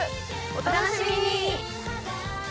お楽しみに！